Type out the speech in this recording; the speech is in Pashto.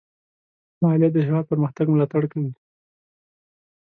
مالیه د هېواد پرمختګ ملاتړ کوي.